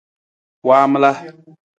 Waamala.